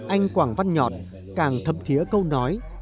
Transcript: anh quàng văn nhọt càng thấm thiế câu nói